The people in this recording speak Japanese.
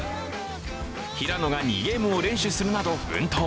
平野が２ゲームを連取するなど奮闘。